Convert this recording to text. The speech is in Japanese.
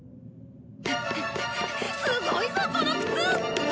すごいぞこの靴！